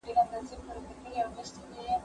هغه څوک چي کتابونه وړي پوهه زياتوي!؟